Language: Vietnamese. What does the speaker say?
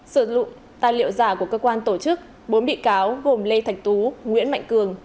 sử dụng tài liệu giả của cơ quan tổ chức bốn bị cáo gồm lê thạch tú nguyễn mạnh cường